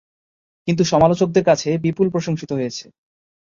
কিন্তু সমালোচকদের কাছে বিপুল প্রশংসিত হয়েছে।